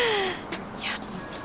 やった！